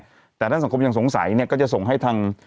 แต่ถ้าสังคมยังสงสัยเนี่ยก็จะส่งให้ทาง